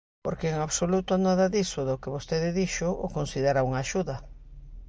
Porque en absoluto nada diso do que vostede dixo o considera unha axuda.